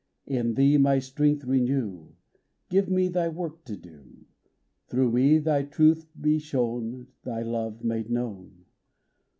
In Thee my strength renew ; Give me Thy work to do ; Through me Thy truth be shown, Thy love made known